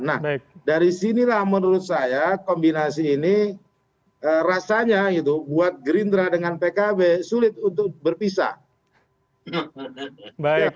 nah dari sinilah menurut saya kombinasi ini rasanya gitu buat gerindra dengan pkb sulit untuk berpisah